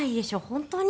本当に？」